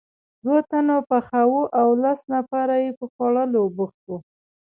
دوه تنه پخاوه او لس نفره یې په خوړلو بوخت وو.